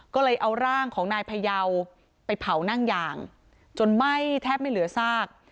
ก็เลยเอาร่างของนายพยาวไปเผานั่งยางจนไหม้แทบไม่เหลือซาก